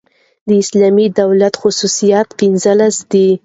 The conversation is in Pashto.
د اسلامي دولت خصوصیات پنځلس دي.